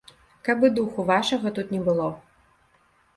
Каб і духу вашага тут не было.